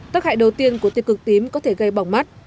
tắc hại đầu tiên của tiêu cực tím có thể gây bỏng mắt